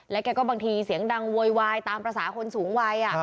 และแกก็บางทีเสียงดังเวรวายตามประสาทคนสูงวัย